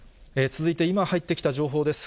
続いて、今入ってきた情報です。